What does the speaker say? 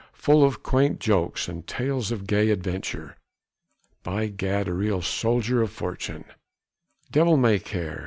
full of quaint jokes and tales of gay adventure! By Gad! a real soldier of fortune! devil may care!